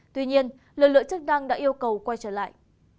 tuy nhiên lực lượng chức năng đã yêu cầu quay trở lại